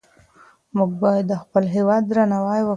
مونږ باید د خپل هیواد درناوی وکړو.